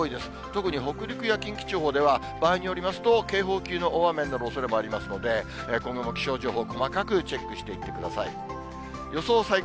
特に北陸や近畿地方では場合によりますと、警報級の大雨になるおそれもありますので、今後も気象情報、細かくチェックしていってください。